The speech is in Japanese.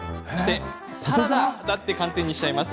サラダだって寒天にしちゃいます。